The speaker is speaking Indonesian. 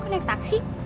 kok naik taksi